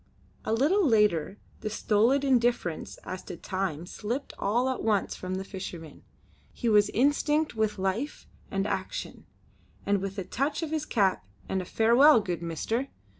A little later the stolid indifference as to time slipped all at once from the fisherman. He was instinct with life and action, and with a touch of his cap and a "Farewell good Master!"